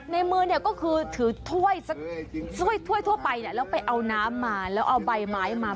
ในมือเนี่ยก็คือถือถ้วยสักถ้วยทั่วไปแล้วไปเอาน้ำมาแล้วเอาใบไม้มา